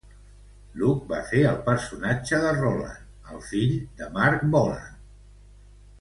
Luke va fer el personatge de Rolan, el fill de Marc Bolan.